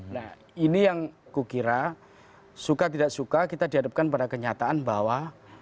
nah ini yang kukira suka tidak suka kita dihadapkan pada kenyataan bahwa